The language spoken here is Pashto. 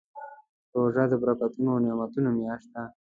روژه د برکتونو او نعمتونو میاشت ده.